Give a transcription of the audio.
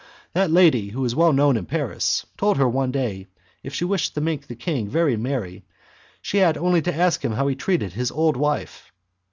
That lady, who was well known in Paris, told her one day that, if she wished to make the king very merry, she had only to ask him how he treated his old wife.